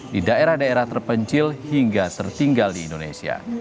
di daerah daerah terpencil hingga tertinggal di indonesia